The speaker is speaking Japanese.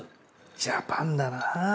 ジャパンだなぁ。